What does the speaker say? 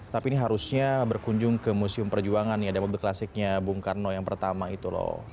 tapi ini harusnya berkunjung ke museum perjuangan nih ada mobil klasiknya bung karno yang pertama itu loh